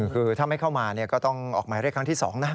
คือถ้าไม่เข้ามาก็ต้องออกหมายเรียกครั้งที่๒นะ